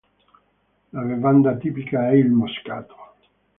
La bevanda tipica è il moscato.